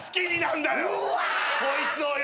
こいつをよ。